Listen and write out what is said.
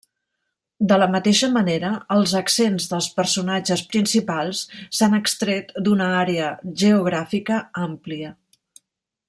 De la mateixa manera els accents dels personatges principals s'han extret d'una àrea geogràfica àmplia.